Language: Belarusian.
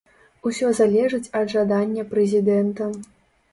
Усё залежыць ад жадання прэзідэнта.